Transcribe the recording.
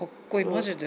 マジで？